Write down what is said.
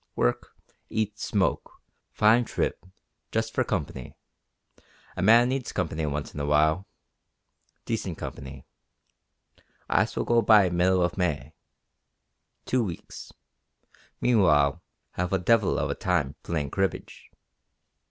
Work. Eat. Smoke. Fine trip. Just for company. A man needs company once in a while decent company. Ice will go by middle of May. Two weeks. Meanwhile, have a devil of a time playing cribbage."